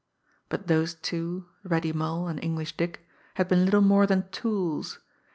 But those two, Reddy Mull, and English Dick, had been little more than tools.